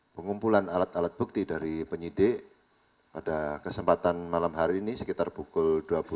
pengumpulan alat alat bukti dari penyidik pada kesempatan malam hari ini sekitar pukul dua puluh